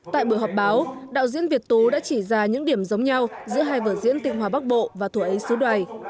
tại buổi họp báo đạo diễn việt tú đã chỉ ra những điểm giống nhau giữa hai vợ diễn tịnh hòa bắc bộ và thủa ấy sứ đoài